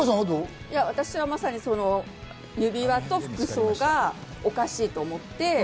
私はまさに指輪と服装がおかしいと思って。